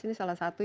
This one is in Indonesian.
ini salah satu ya